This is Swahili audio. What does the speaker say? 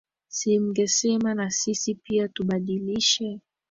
Si mngesema na sisi pia tubadilishe